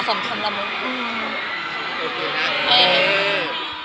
สำคัญละมุก